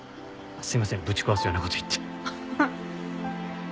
すいませんぶち壊すような事言って。